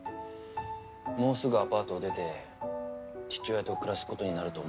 もうすぐアパートを出て父親と暮らす事になると思います。